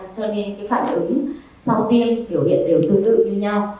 cho nên phản ứng sau tiêm biểu hiện đều tương đựng như nhau